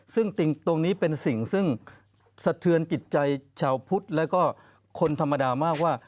ซึ่งตรงนี้เป็นสิ่งซึ่งสะเทือนจิตใจชาวพุทธแล้วก็คนธรรมดามากว่า